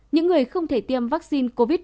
những người không thể tiêm vaccine covid một mươi chín